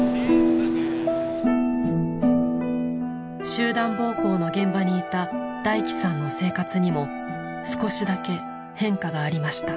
集団暴行の現場にいたダイキさんの生活にも少しだけ変化がありました。